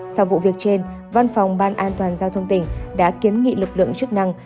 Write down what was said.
sau vụ việc trên văn phòng ban an toàn giao thông tỉnh đã kiến nghị lực lượng chức năng